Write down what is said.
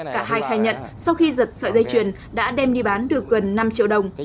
cả hai khai nhận sau khi giật sợi dây chuyền đã đem đi bán được gần năm triệu đồng